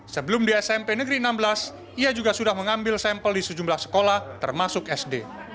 sebelum di smp negeri enam belas ia juga sudah mengambil sampel di sejumlah sekolah termasuk sd